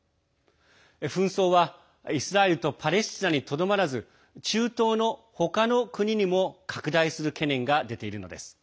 紛争はイスラエルとパレスチナにとどまらず中東の他の国にも拡大する懸念が出ているのです。